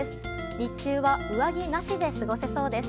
日中は上着なしで過ごせそうです。